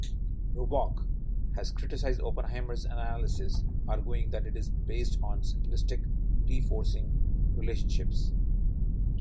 Robock has criticized Oppenheimer's analysis, arguing that it is based on simplistic T-forcing relationships.